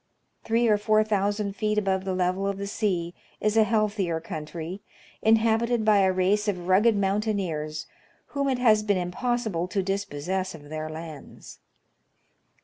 Three or four thousand feet above the level of the sea, is a healthier country, inhabited by a race of rugged mountaineers, whom it has been impossible to dispossess of their lands.